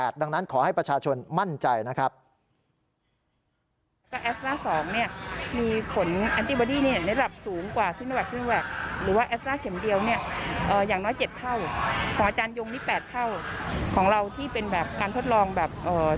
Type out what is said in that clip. ดังนั้นขอให้ประชาชนมั่นใจนะครับ